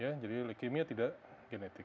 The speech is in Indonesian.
ya jadi leukemia tidak genetik